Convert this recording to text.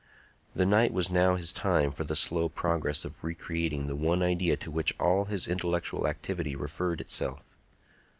The night was now his time for the slow progress of re creating the one idea to which all his intellectual activity referred itself.